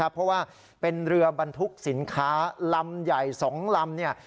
เพราะว่าเป็นเรือบรรทุกสินค้าลำใหญ่๒ลำเนี่ย